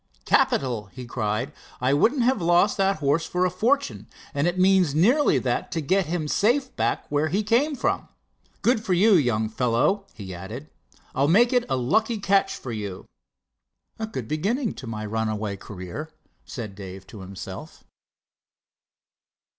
"Capital!" he cried. "I wouldn't have lost that horse for a fortune, and it means nearly that to get him safe back where he came from. Good for you, young fellow," he added. "I'll make it a lucky catch for you." "A good beginning in my runaway career," said Dave to himself.